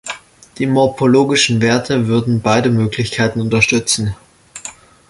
Die morphologischen Werte würden beide Möglichkeiten unterstützen.